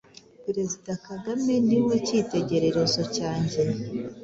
Perezida Kagame niwe cyitegererezo cyanjye